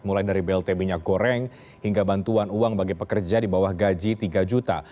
mulai dari blt minyak goreng hingga bantuan uang bagi pekerja di bawah gaji tiga juta